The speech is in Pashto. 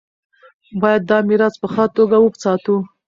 باید دا میراث په ښه توګه وساتو.